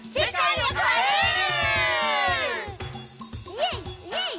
イエイイエイ！